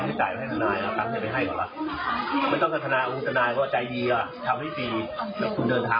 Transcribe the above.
ส่วนอีกหนึ่งหลักฐานทางธนาความของน้องเอิญบอกว่า